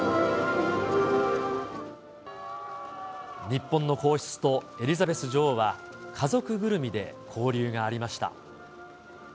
日本の皇室とエリザベス女王は、家族ぐるみで交流がありました。